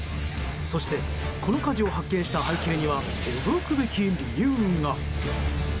そして、この火事を発見した背景には、驚くべき理由が。